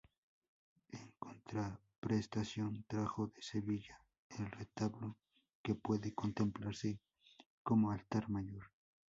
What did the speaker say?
En contraprestación trajo, de Sevilla, el retablo que puede contemplarse como altar mayor.